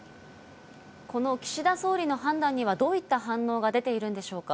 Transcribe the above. この岸田総理の判断には、どういった反応が出ているんでしょうか？